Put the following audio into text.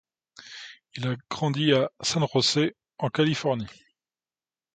Il grandit à San José en Californie.